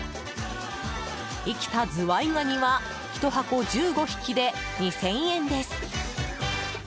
生きたズワイガニは１箱１５匹で２０００円です。